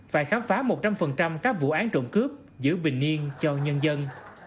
và khám phá một trăm linh các vụ án trộm cướp giữ bình yên cho nhân dân